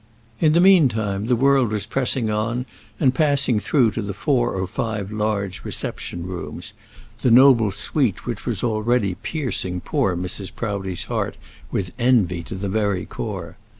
In the meantime the world was pressing on and passing through to the four or five large reception rooms the noble suite, which was already piercing poor Mrs. Proudie's heart with envy to the very core.